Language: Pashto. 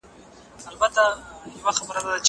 زه کولای سم مېوې وچوم!!